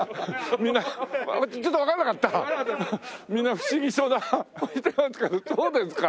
みんな不思議そうな反応してますけどそうですか。